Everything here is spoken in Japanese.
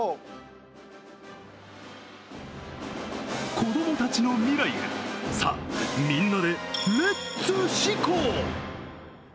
子供たちの未来へさあ、みんなでレッツしこ！